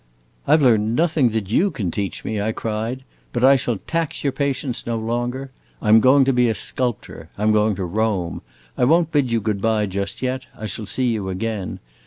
'I 've learned nothing that you can teach me,' I cried. 'But I shall tax your patience no longer. I 'm going to be a sculptor. I 'm going to Rome. I won't bid you good by just yet; I shall see you again.